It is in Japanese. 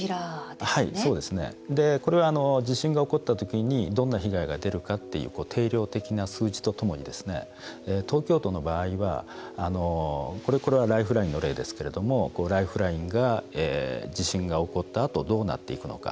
これは地震が起こった時にどんな被害が出るかとっていう定量的な数値とともに東京都の場合はこれはライフラインの例ですがライフラインが地震が起こったあとどうなっていくのか。